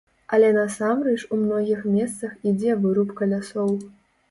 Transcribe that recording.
Але насамрэч у многіх месцах ідзе вырубка лясоў.